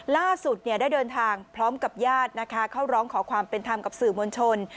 ล่าสุดได้เดินทางพร้อมกับญาตินะคะเข้าร้องขอความเป็นธรรมกับสื่อมวลชน